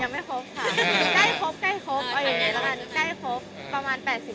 ยังไม่ครบค่ะใกล้ครบเอาอย่างไรละกันใกล้ครบ